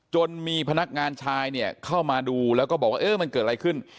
จนมีพนักงานชายเนี่ยเข้ามาดูแล้วก็บอกว่ามันเกิดอะไรขึ้น